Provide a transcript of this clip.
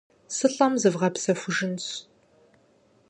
Сылӏэм зывгъэпсэхужынщ.